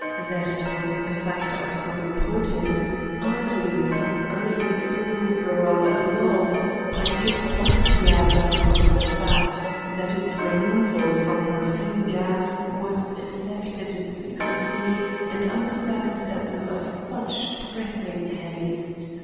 That it was a factor of some importance, arguing some early school girl love, I could but gather from the fact that its removal from her finger was effected in secrecy and under circumstances of such pressing haste.